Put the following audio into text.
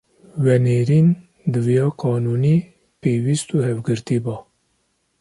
venêrîn diviya “qanûnî”, pêwîst û hevgirtî” ba;